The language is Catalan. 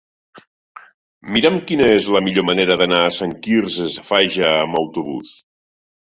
Mira'm quina és la millor manera d'anar a Sant Quirze Safaja amb autobús.